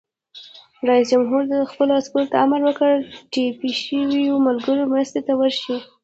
رئیس جمهور خپلو عسکرو ته امر وکړ؛ د ټپي شویو ملګرو مرستې ته ورشئ!